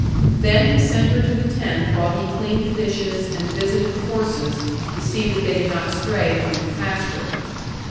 Then he sent her to the tent while he cleaned the dishes and visited the horses to see that they did not stray from the pasture.